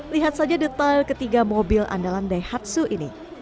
lihat saja detail ketiga mobil andalan daihatsu ini